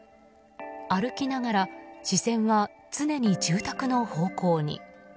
歩きながら視線は常に住宅の方向に。